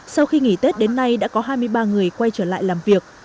sau khi nghỉ tết đến nay đã có hai mươi ba người quay trở lại làm việc